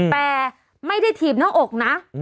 แต่ไม่ได้ถีบหน้าอกนะ